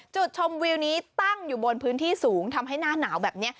จุดชมวิวนี้ตั้งอยู่บนพื้นที่สูงทำให้หน้าหนาวแบบนี้